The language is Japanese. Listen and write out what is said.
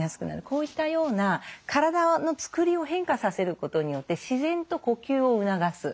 こういったような体のつくりを変化させることによって自然と呼吸を促す。